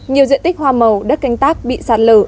nhiều diện tích hoa màu đất canh tác bị sạt lở